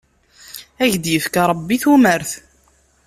Ad ak-d-yefk Ṛebbi tumert.